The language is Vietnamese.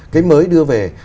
cái mới đưa về